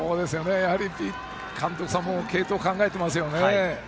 監督さんも継投を考えていますよね。